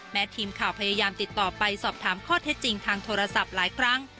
ทีมข่าวพยายามติดต่อไปสอบถามข้อเท็จจริงทางโทรศัพท์หลายครั้ง